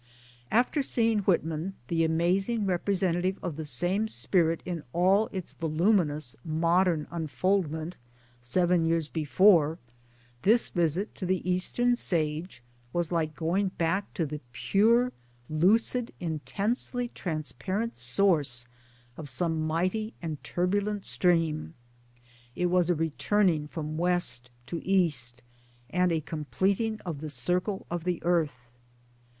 After seeing Whitman, the amazing representative of the same spirit in all its voluminous modern unfoldment seven years before this visit to the Eastern sage was like going back to the pure lucid intensely transparent source of some mighty and turbulent stream. It was a returning from West to East, and a completing of the circle of the Earth.